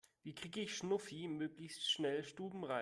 Wie kriege ich Schnuffi möglichst schnell stubenrein?